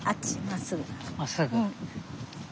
まっすぐ。